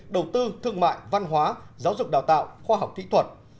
đầu tư thương mại văn hóa giáo dục đào tạo khoa học kỹ thuật